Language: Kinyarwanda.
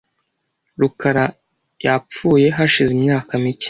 rukara yapfuye hashize imyaka mike .